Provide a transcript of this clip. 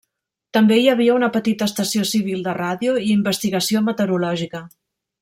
També hi havia una petita estació civil de ràdio i investigació meteorològica.